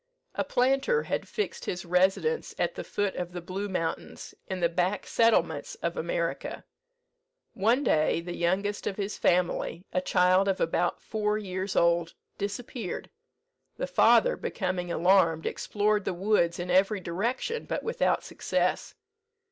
A planter had fixed his residence at the foot of the Blue Mountains, in the back settlements of America. One day the youngest of his family, a child of about four years old, disappeared. The father, becoming alarmed, explored the woods in every direction, but without success.